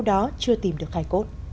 đó chưa tìm được khai cốt